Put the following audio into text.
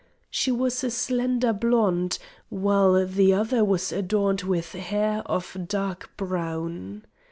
She was a slender blonde, while the other was adorned with hair of a dark brown.